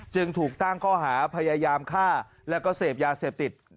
จึงถูกตั้งข้อหาพยายามฆ่าแล้วก็เสพยาเสพติด